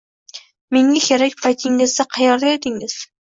Menga kerak paytingizda qaerda edingiz